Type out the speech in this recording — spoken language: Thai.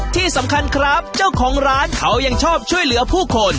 ที่สำคัญครับเจ้าของร้านเขายังชอบช่วยเหลือผู้คน